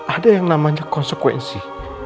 ada yang namanya konsekuensi